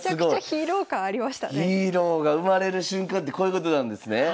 ヒーローが生まれる瞬間ってこういうことなんですね。